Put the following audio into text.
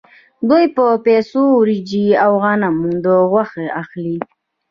دوی په پیسو وریجې او غنم او غوښه اخلي